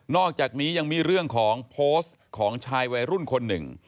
อกจากนี้ยังมีเรื่องของโพสต์ของชายวัยรุ่นคนหนึ่ง